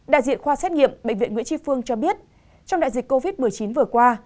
đại diện khoa xét nghiệm bệnh viện nguyễn tri phương cho biết trong đại dịch covid một mươi chín vừa qua